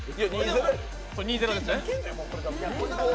２−０ですよね。